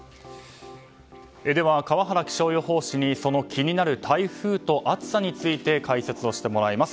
川原気象予報士に気になる台風と暑さについて解説してもらいます。